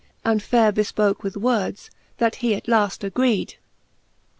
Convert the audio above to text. And faire befpoke with words, that he at laft agreed.